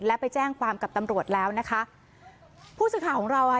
และไปแจ้งความกับตำรวจแล้วนะคะผู้สื่อข่าวของเราอ่ะ